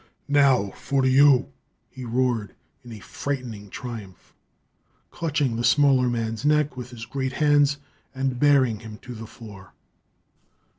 "Now for you!" he roared in frightening triumph, clutching the smaller man's neck with his great hands and bearing him to the floor.